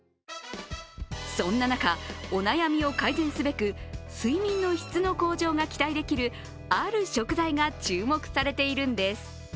そんな中、お悩みを改善すべく、睡眠の質の向上が期待できるある食材が注目されているんです。